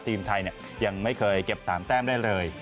ทีมไทยยังไม่เคยเก็บ๓แต้มได้เลย